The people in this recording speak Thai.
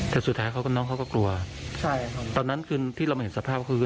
แต่สุดท้ายน้องเขาก็กลัวตอนนั้นคือที่เราเห็นสภาพคือ